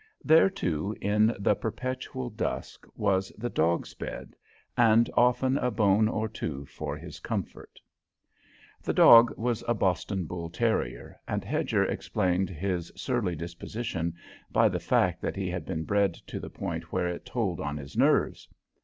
There, too, in the perpetual dusk, was the dog's bed, and often a bone or two for his comfort. The dog was a Boston bull terrier, and Hedger explained his surly disposition by the fact that he had been bred to the point where it told on his nerves.